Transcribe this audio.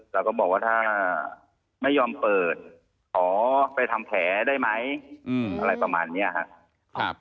เราก็บอกว่าถ้าไม่ยอมเปิดขอไปทำแผลได้ไหมอะไรประมาณนี้ครับ